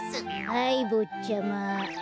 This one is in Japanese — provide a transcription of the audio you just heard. はいぼっちゃま。